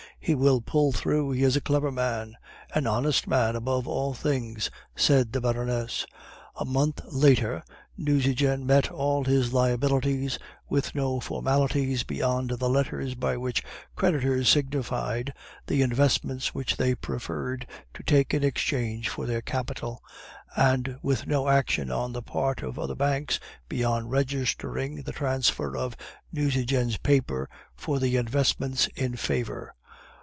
He will pull through; he is a clever man.' "'An honest man, above all things,' said the Baroness. "A month later, Nucingen met all his liabilities, with no formalities beyond the letters by which creditors signified the investments which they preferred to take in exchange for their capital; and with no action on the part of other banks beyond registering the transfer of Nucingen's paper for the investments in favor.